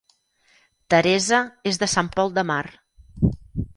Teresa és de Sant Pol de Mar